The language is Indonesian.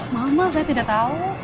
mama saya tidak tahu